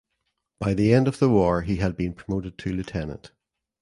By the end of the war he had been promoted to lieutenant.